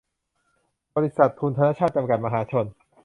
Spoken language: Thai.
บริษัท ทุนธนชาต จำกัด มหาชน